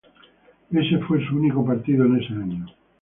Ese fue su único partido en ese año.